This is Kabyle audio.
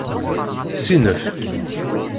Ssinef!